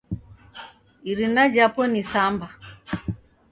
Irina jhapo ni Samba.